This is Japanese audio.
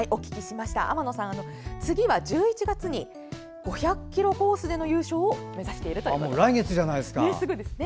天野さん、次は１１月に５００ｋｍコースでの優勝を目指しているということです。